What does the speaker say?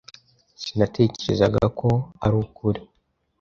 Sinatekerezaga ko arukuri.